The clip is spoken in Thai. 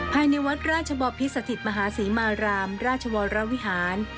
ภายในวัดราชบอพิสถิตมหาศรีมารามราชวรวิหาร